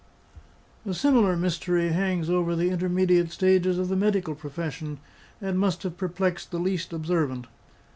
A similar mystery hangs over the intermediate stages of the medical profession, and must have perplexed the least observant.